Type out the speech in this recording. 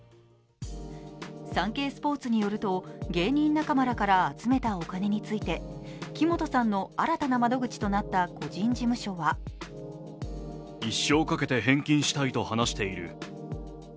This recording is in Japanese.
サンケイスポーツによると芸人仲間らから集めたお金について木本さんの新たな窓口となった個人事務所はとコメント。